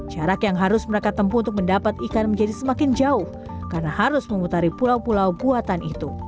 jarak yang harus mereka tempuh untuk mendapat ikan menjadi semakin jauh karena harus memutari pulau pulau buatan itu